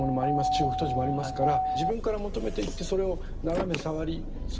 中国陶磁もありますから自分から求めていってそれを眺め触りそれをこう吸収していく。